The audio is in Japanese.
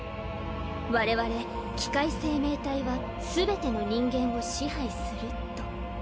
「我々機械生命体は全ての人間を支配する」と。